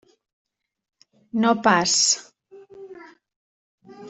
No pas.